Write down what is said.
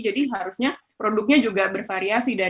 jadi harusnya produknya juga bervariasi